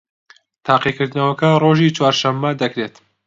تاقیکردنەوەکە ڕۆژی چوارشەممە دەکرێت